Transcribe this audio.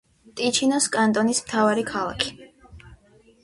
ტიჩინოს კანტონის მთავარი ქალაქი.